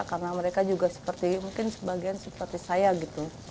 karena mereka juga seperti mungkin sebagian seperti saya gitu